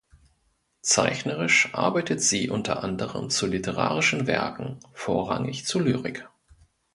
Zeichnerisch arbeitet sie unter anderem zu literarischen Werken, vorrangig zu Lyrik.